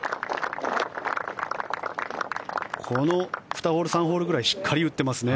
この２ホール３ホールぐらいしっかり打っていますね。